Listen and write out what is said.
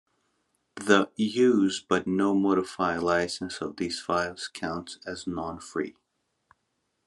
The "use, but no modify" license of these files counts as non-free.